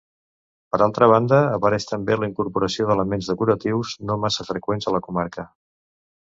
Per altra banda, apareix també la incorporació d'elements decoratius, no massa freqüents a la comarca.